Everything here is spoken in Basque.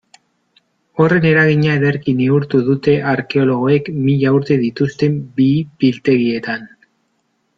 Horren eragina ederki neurtu dute arkeologoek mila urte dituzten bihi-biltegietan.